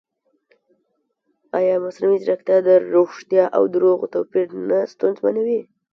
ایا مصنوعي ځیرکتیا د ریښتیا او دروغو توپیر نه ستونزمنوي؟